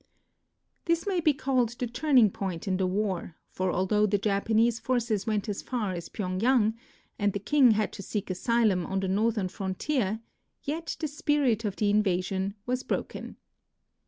This may be called the turning point in the war, for although the Japanese forces went as far as Pyeng yang, and the king had to seek asylum on the northern frontier, yet the spirit of the invasion was broken.